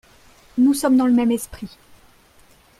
Nous sommes dans le même esprit.